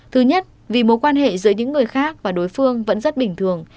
thứ nhất vì mối quan hệ giữa những người khác và đối phương vẫn rất bình thường